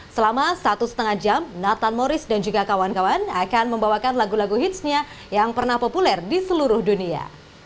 selama satu setengah jam nathan morris dan juga kawan kawan akan membawakan lagu lagu hitsnya yang pernah populer di seluruh dunia